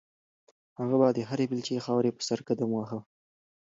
هغه به د هرې بیلچې خاورې په سر قدم واهه.